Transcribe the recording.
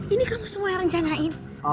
ini kamu semua yang rencanain